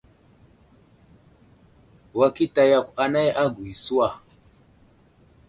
Wakita yakw anay agwi suwa.